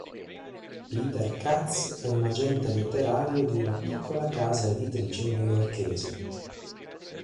Peter Katz è un agente letterario di una piccola casa editrice newyorkese.